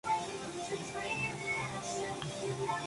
Se tuvo que añadir la "F" por problemas legales.